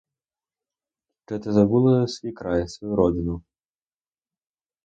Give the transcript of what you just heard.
Чи забула ти свій край, свою родину?